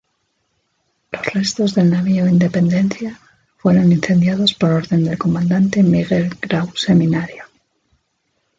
Los restos del navío "Independencia" fueron incendiados por orden del comandante Miguel Grau Seminario.